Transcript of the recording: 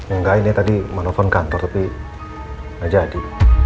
engga ini tadi mau telepon kantor tapi udah jadi